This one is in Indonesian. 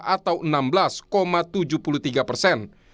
atau enam belas tujuh puluh tiga persen